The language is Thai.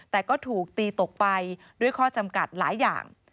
แต่ก็ถูกตีตกไปด้วยข้อจำกัดหลายอย่าง